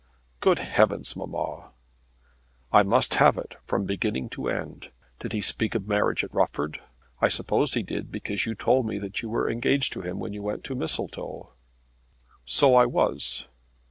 "Good heavens, mamma!" "I must have it from the beginning to the end. Did he speak of marriage at Rufford? I suppose he did because you told me that you were engaged to him when you went to Mistletoe." "So I was."